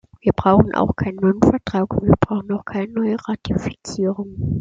Wir brauchen auch keinen neuen Vertrag, und wir brauchen auch keine neue Ratifizierung.